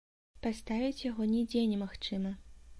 Паставіць яго нідзе не магчыма.